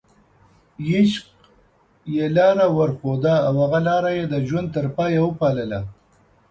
عشق یې لاره ورښوده او هغه لاره یې د ژوند تر پایه وپالله.